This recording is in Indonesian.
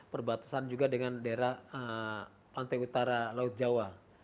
perbatasan juga dengan daerah pantai utara laut jawa